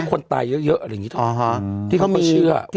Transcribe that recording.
ที่คนตายเยอะอะไรอย่างนี้เขาไม่เชื่อ